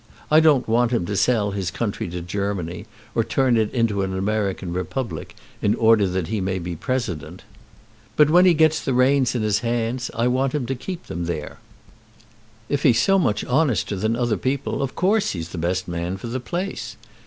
I don't want him to sell his country to Germany, or to turn it into an American republic in order that he may be president. But when he gets the reins in his hands, I want him to keep them there. If he's so much honester than other people, of course he's the best man for the place.